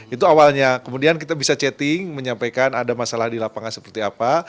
itu awalnya kemudian kita bisa chatting menyampaikan ada masalah di lapangan seperti apa